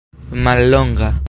mallonga